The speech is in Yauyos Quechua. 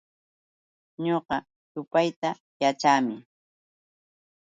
Ñuqa yupayta yaćhaami.